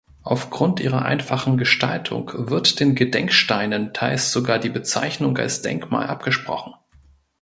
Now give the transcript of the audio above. Aufgrund ihrer einfachen Gestaltung wird den Gedenksteinen teils sogar die Bezeichnung als Denkmal abgesprochen.